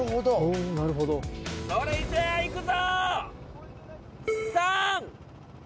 それじゃ、いくぞ！